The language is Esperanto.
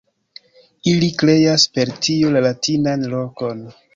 Ili kreas per tio la latinan rokon.